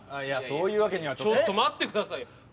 いやそういうわけにはちょっと待ってくださいよ